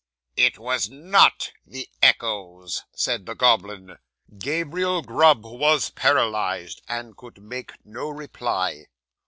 '"It was _not _the echoes," said the goblin. 'Gabriel Grub was paralysed, and could make no reply.